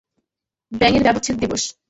ব্যাঙয়ের ব্যবচ্ছেদ দিবস।